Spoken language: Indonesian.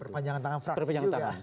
perpanjangan tangan fraksi juga